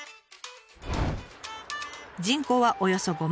人口はおよそ５万。